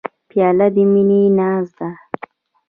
پیاله د مینې ناز ده.